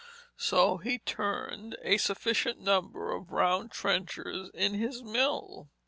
So he turned a sufficient number of round trenchers in his mill.